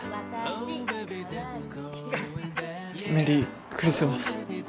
メリークリスマス。